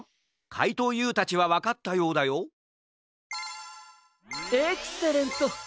かいとうＵたちはわかったようだよエクセレント！